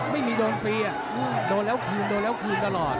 ไม่มีโดนฟรีโดนแล้วคืนโดนแล้วคืนตลอด